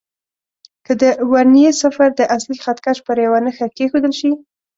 که د ورنيې صفر د اصلي خط کش پر یوه نښه کېښودل شي.